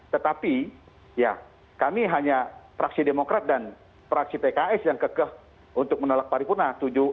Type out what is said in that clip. tetapi ya kami hanya fraksi demokrat dan fraksi pks yang kekeh untuk menolak paripurna